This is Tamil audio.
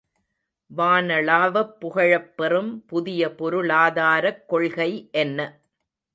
வானளாவப் புகழப் பெறும் புதிய பொருளாதாரக் கொள்கை என்ன?